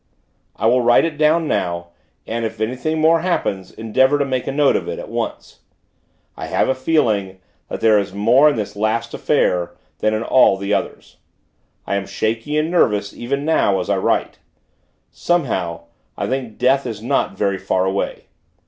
I will write it down now, and, if anything more happens, endeavor to make a note of it, at once. I have a feeling, that there is more in this last affair, than in all those others. I am shaky and nervous, even now, as I write. Somehow, I think death is not very far away.